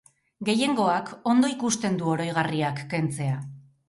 Gehiengoak ondo ikusten du oroigarriak kentzea.